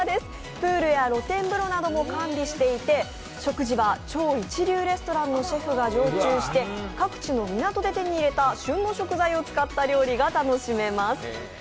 プールや露天風呂なども管理していて、食事は超一流レストランのシェフが常駐して各地の港で手に入れた旬の食材を使った料理が食べられます。